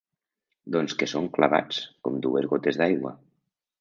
Doncs que són clavats, com dues gotes d'aigua.